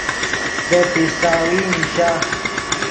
دے پیستاوی نیشا